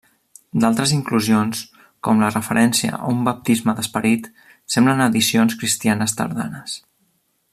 D'altres inclusions, com la referència a un baptisme d'esperit, semblen addicions cristianes tardanes.